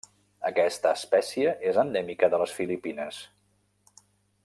Aquesta espècie és endèmica de les Filipines.